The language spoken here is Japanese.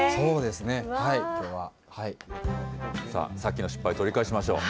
さっきの失敗を取り返しましょう。